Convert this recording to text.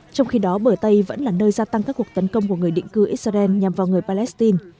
trong khi đó bờ tây vẫn là nơi gia tăng các cuộc tấn công của người định cư israel nhằm vào người palestine